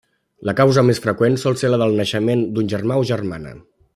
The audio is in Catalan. La causa més freqüent, sol ser la del naixement d'un germà o germana.